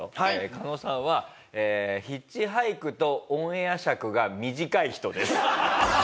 カノさんはヒッチハイクとオンエア尺が短い人です。